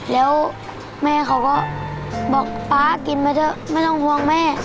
แล้วแม่เขาก็บอกป๊ากินไปเถอะไม่ต้องห่วงแม่